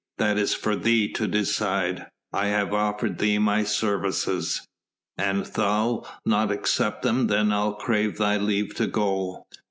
"That is for thee to decide. I have offered thee my services ... an thou'lt not accept them I crave thy leave to go."